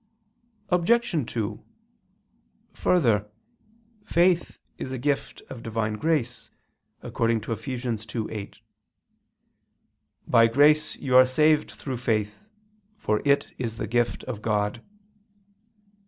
Obj. 2: Further, faith is a gift of Divine grace, according to Eph. 2:8: "By grace you are saved through faith ... for it is the gift of God."